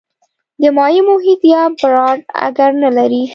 د مایع محیط یا براټ اګر نه لري.